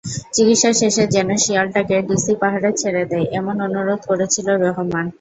চিকিৎসা শেষে যেন শিয়ালটাকে ডিসি পাহাড়ে ছেড়ে দেয়, এমন অনুরোধ করেছিল রহমান।